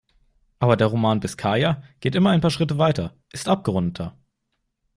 Aber der Roman "Biskaya" geht immer ein paar Schritte weiter, ist abgerundeter.